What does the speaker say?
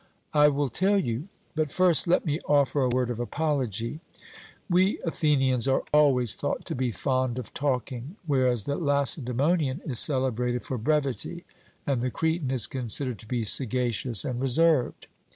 I will tell you. But first let me offer a word of apology. We Athenians are always thought to be fond of talking, whereas the Lacedaemonian is celebrated for brevity, and the Cretan is considered to be sagacious and reserved.